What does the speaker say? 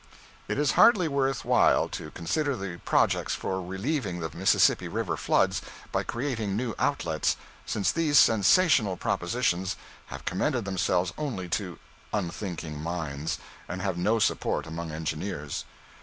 It is hardly worth while to consider the projects for relieving the Mississippi River floods by creating new outlets, since these sensational propositions have commended themselves only to unthinking minds, and have no support among engineers.